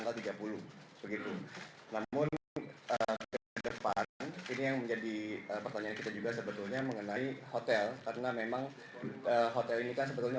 pajak sampai pajak atau sebagainya